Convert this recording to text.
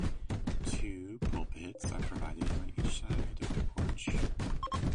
Two pulpits are provided on each side of the porch.